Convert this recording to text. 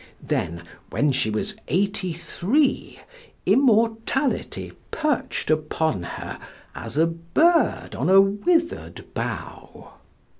Then, when she was eighty three, immortality perched upon her as a bird on a withered bough.